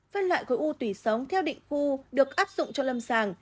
phân loại khối u tủy sống theo định khu được áp dụng cho lâm sàng